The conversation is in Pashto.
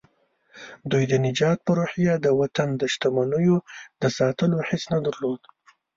دوی د نجات په روحيه د وطن د شتمنيو د ساتلو حس نه درلود.